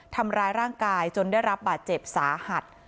ทำร้ายร่างกายจนได้รับบาดเจ็บสาหัส